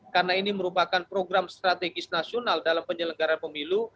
karena ini merupakan program strategis nasional dalam penyelenggara pemilu